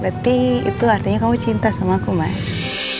berarti itu artinya kamu cinta sama aku mas